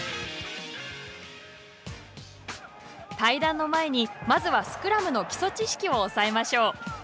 対談の前に、まずはスクラムの基礎知識を押さえましょう。